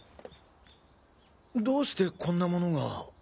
どうしてこんなものが。